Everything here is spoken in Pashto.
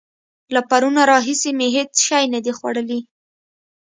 له پرونه راهسې مې هېڅ شی نه دي خوړلي.